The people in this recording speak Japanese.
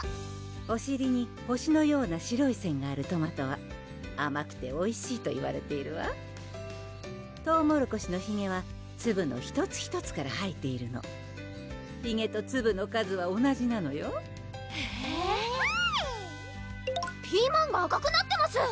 お尻に星のような白い線があるトマトはあまくておいしいといわれているわトウモロコシのひげは粒の１つ１つから生えているのヒゲと粒の数は同じなのよへぇへぇピーマンが赤くなってます